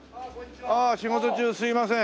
仕事中すいません。